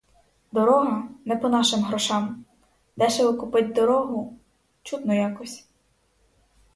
Дорога, не по нашим грошам; дешево купить дорогу — чудно якось.